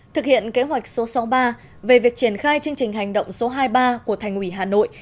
thực hiện kế hoạch số sáu mươi ba về việc triển khai chương trình hành động số hai mươi ba của thành ủy hà nội